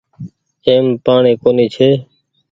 ايم پآڻيٚ ڪونيٚ ڇي۔